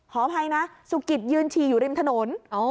อภัยนะสุกิตยืนฉี่อยู่ริมถนน